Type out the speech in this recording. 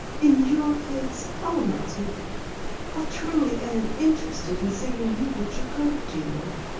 In your case, I'll not take it. I truly am interested in seeing you get your coat, dearie.